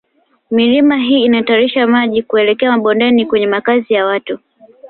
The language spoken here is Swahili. Milima hii inatiririsha maji kuelekea mabondeni kwenye makazi ya watu